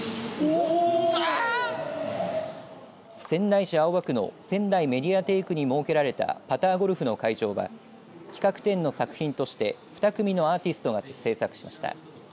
仙台市青葉区のせんだいメディアテークに設けられたパターゴルフの会場は企画展の作品として２組のアーティストが制作しました。